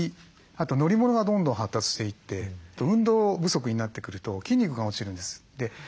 あと乗り物がどんどん発達していって運動不足になってくると筋肉が落ちるんです。